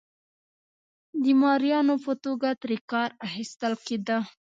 د مریانو په توګه ترې کار اخیستل کېده.